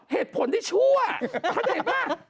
เหตุผลที่ชั่วเข้าใจป่ะ